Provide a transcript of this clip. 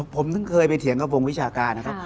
ผมถึงเคยไปเถียงกับวงวิชาการนะครับ